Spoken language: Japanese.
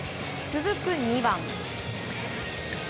続く２番。